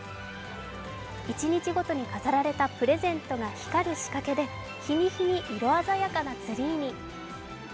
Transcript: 一日ごとに飾られたプレゼントが光る仕掛けで日に日に色鮮やかなツリーに。